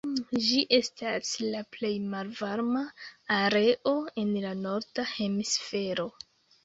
Ĝi estas la plej malvarma areo en la norda hemisfero.